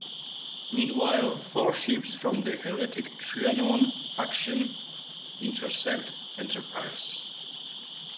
Meanwhile, four ships from the "heretic" Triannon faction intercept "Enterprise".